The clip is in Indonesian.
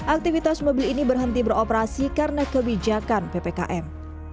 aktivitas mobil ini berhenti beroperasi karena kebijakan ppkm